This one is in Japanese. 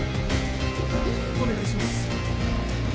・お願いします